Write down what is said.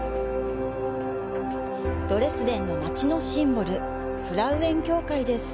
ドレスデンの街のシンボル、フラウエン教会です。